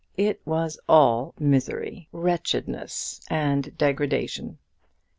It was all misery, wretchedness, and degradation.